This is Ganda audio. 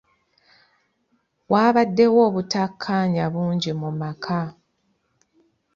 Wabaddewo obutakkaanya bungi mu maka.